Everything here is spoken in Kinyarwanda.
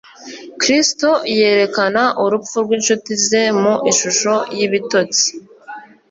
Kristo yerekana urupfu rw'incuti ze mu ishusho y'ibitotsi.